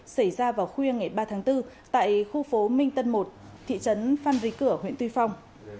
xảy ra vào khuya ngày ba tháng bốn tại khu phố minh tân một thị trấn phan rí cửa huyện tuy phong